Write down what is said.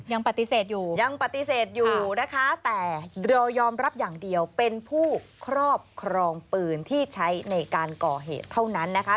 ยังปฏิเสธอยู่ยังปฏิเสธอยู่นะคะแต่เรายอมรับอย่างเดียวเป็นผู้ครอบครองปืนที่ใช้ในการก่อเหตุเท่านั้นนะคะ